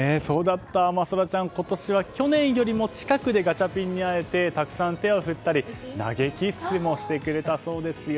真空ちゃん、今年は去年よりも近くでガチャピンに会えてたくさん手を振ったり投げキッスもしてくれたそうですよ。